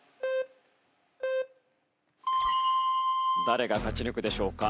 誰が勝ち抜くでしょうか。